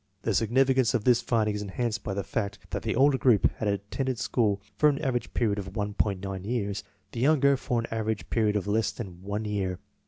The significance of this finding is enhanced by the fact that the older group had attended school for an av erage period of 1.9 years, the younger for an average period of less than one year.